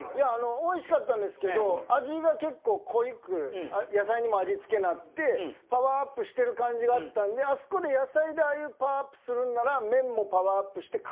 おいしかったんですけど味が結構濃く野菜にも味付けになってパワーアップしてる感じがあったんであそこで野菜でああいうパワーアップするんなら麺もパワーアップして硬めじゃないと。